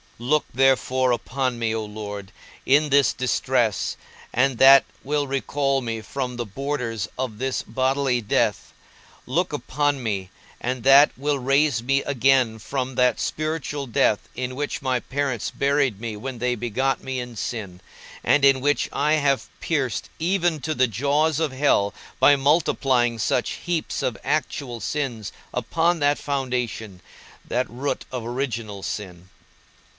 Look therefore upon me, O Lord, in this distress and that will recall me from the borders of this bodily death; look upon me, and that will raise me again from that spiritual death in which my parents buried me when they begot me in sin, and in which I have pierced even to the jaws of hell by multiplying such heaps of actual sins upon that foundation, that root of original sin.